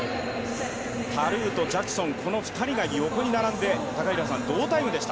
タ・ルーとジャクソン、この２人が横に並んで同タイムでした。